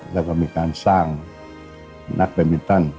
แล้วก็มีการสร้างนักการบรรดี